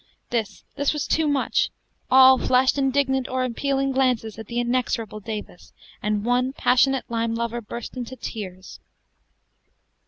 This this was too much; all flashed indignant or appealing glances at the inexorable Davis, and one passionate lime lover burst into tears.